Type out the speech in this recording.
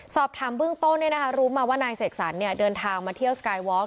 สอบถามเบื้องต้นรู้มาว่านายเสกสรรเดินทางมาเที่ยวสกายวอลก